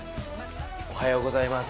おはようございます。